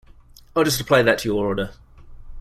I'll just apply that to your order.